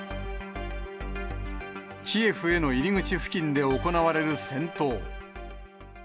キエフへの入り口付近で行われる戦闘。